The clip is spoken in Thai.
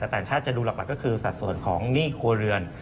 แต่ต่างชาติจะดูหลักก็คือสัดส่วนของหนี้ครัวเรือน